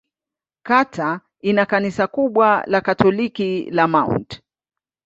Kata ina kanisa kubwa la Katoliki la Mt.